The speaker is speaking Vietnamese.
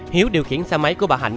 hiếu điều khiển xe máy của bà hạnh